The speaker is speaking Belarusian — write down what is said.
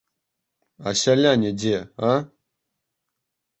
А сяляне дзе, а?